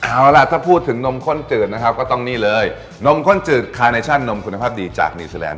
เอาล่ะถ้าพูดถึงนมข้นจืดนะครับก็ต้องนี่เลยนมข้นจืดคาเนชั่นนมคุณภาพดีจากนิวซีแลนด